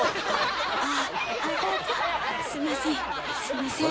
すんません。